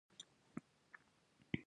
ادبي ناسته باید دوامداره وي.